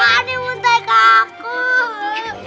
makannya muntahin ke aku